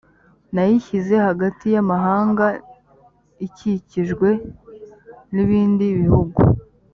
nayishyize hagati y amahanga ikikijwe n ibindi bihugu